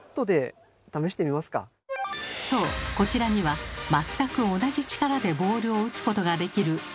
そうこちらには全く同じ力でボールを打つことができるゴルフロボットが！